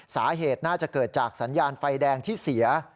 สาเหตุน่าจะเกิดจากสัญญาณไฟแดงที่เสีย